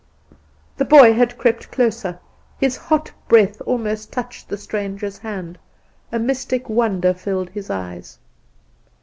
The boy had crept closer; his hot breath almost touched the stranger's hand; a mystic wonder filled his eyes.